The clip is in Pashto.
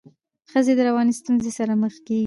ښځي د رواني ستونزو سره مخ کيږي.